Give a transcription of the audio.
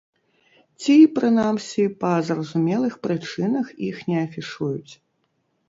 Ці, прынамсі, па зразумелых прычынах іх не афішуюць.